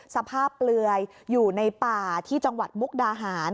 เปลือยอยู่ในป่าที่จังหวัดมุกดาหาร